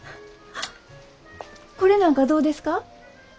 あこれなんかどうですか？